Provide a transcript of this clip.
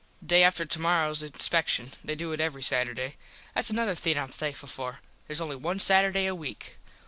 Day after tomorrows inspecshun. They do it every Saturday. Thats another thing Im thankful for. Theres only one Saturday a weak.